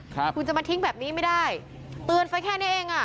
ครับคุณจะมาทิ้งแบบนี้ไม่ได้เตือนไปแค่นี้เองอ่ะ